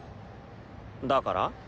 だから？